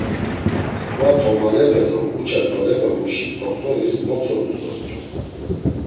Msǩva tomalepe do uça tolepemuşi t̆oxt̆oris motzondu dort̆u.